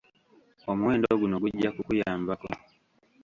Omuwendo guno gujja kukuyambako.